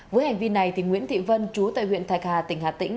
với hành vi này nguyễn thị vân chú tại huyện thạch hà tỉnh hà tĩnh